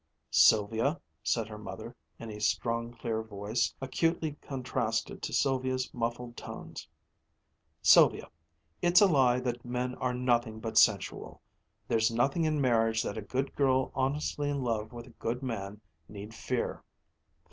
"Sylvia," said her mother, in a strong, clear voice, acutely contrasted to Sylvia's muffled tones, "Sylvia, it's a lie that men are nothing but sensual! There's nothing in marriage that a good girl honestly in love with a good man need fear."